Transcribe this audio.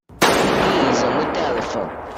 He's on the telephone.